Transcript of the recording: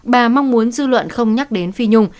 bà mong muốn dư luận không nhắc đến phi nhung